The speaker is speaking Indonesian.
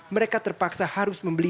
mereka terpaksa harus membeli